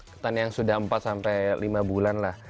ketan yang sudah empat sampai lima bulan lah